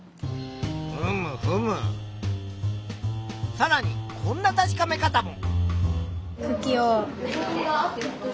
さらにこんな確かめ方も。